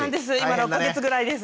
今６か月ぐらいです。